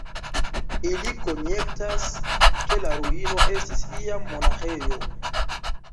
Ili konjektas, ke la ruino estis iam monaĥejo.